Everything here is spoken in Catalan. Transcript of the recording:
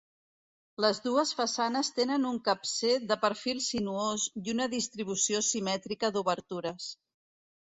Les dues façanes tenen un capcer de perfil sinuós i una distribució simètrica d'obertures.